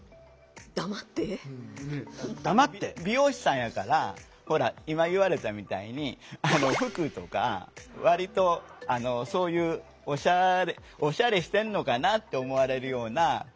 美容師さんやからほら今言われたみたいに服とか割とそういうオシャレしてんのかなって思われるような服。